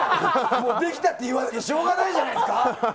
もうできたって言わないとしょうがないじゃないですか。